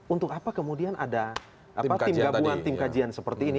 untuk apa kemudian ada tim gabungan tim kajian seperti ini